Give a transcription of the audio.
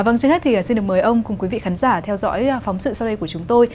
vâng trước hết thì xin được mời ông cùng quý vị khán giả theo dõi phóng sự sau đây của chúng tôi